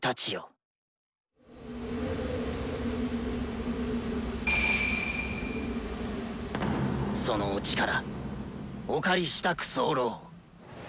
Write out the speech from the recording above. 心の声そのお力お借りしたく候。